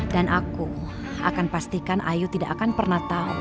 dan aku akan pastikan ayu tidak akan pernah tahu